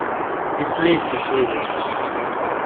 He fled to Sweden.